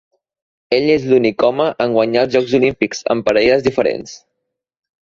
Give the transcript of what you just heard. Ell és l'únic home en guanyar els Jocs Olímpics amb parelles diferents.